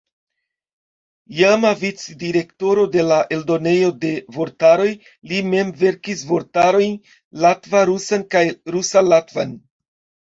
Iama vic-direktoro de la Eldonejo de Vortaroj, li mem verkis vortarojn latva-rusan kaj rusa-latvan.